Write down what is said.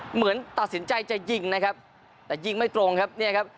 เหมือนตัดสินใจจะยิงนะครับแต่ยิงไม่ตรงครับเนี่ยครับ